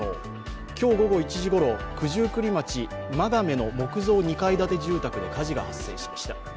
今日午後１時ごろ九十九里町真亀の木造２階建て住宅で火事が発生しました。